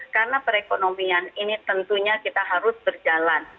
karena perekonomian ini tentunya kita harus berjalan